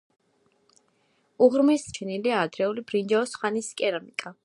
უღრმეს ფენაში აღმოჩენილია ადრეული ბრინჯაოს ხანის კერამიკა.